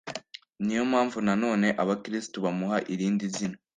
niyo mpamvu na none abakristu bamuha irindi zina